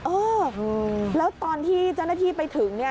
เออแล้วตอนที่เจ้าหน้าที่ไปถึงเนี่ย